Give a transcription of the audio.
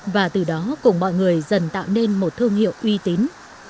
và từ đó cùng mọi người dần tạo nên một thương hiệu uy tín